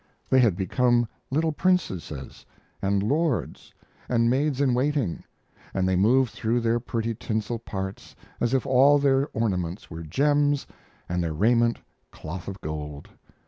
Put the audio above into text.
They had become little princesses and lords and maids in waiting, and they moved through their pretty tinsel parts as if all their ornaments were gems and their raiment cloth of gold.